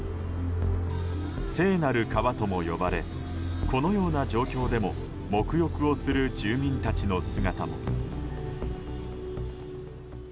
聖なる川とも呼ばれこのような状況でも沐浴をする住民たちの姿も。